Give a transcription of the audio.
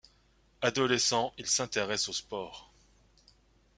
Adolescent, il s'intéresse au sport.